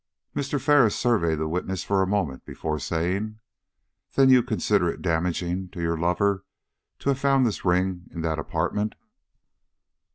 Mr. Ferris surveyed the witness for a moment before saying: "Then you considered it damaging to your lover to have this ring found in that apartment?"